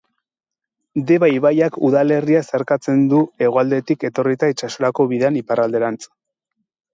Deba ibaiak udalerria zeharkatzen du hegoaldetik etorrita itsasorako bidean iparralderantz.